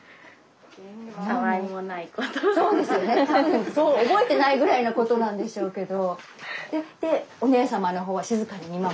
そうですよね多分そう覚えてないぐらいのことなんでしょうけど。